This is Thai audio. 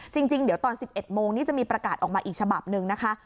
จริงเดี๋ยวตอน๑๑โมงนี้จะมีประกาศออกมาอีกฉบับหนึ่งนะคะ